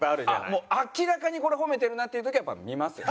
もう明らかにこれ褒めてるなっていう時はやっぱり見ますよ。